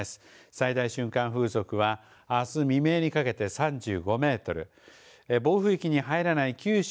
最大瞬間風速はあす未明にかけて３５メートル暴風域に入らない九州